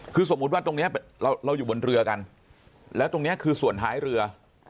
คือสมมุติว่าตรงนี้เราอยู่บนเรือกันแล้วตรงนี้คือส่วนท้ายเรือ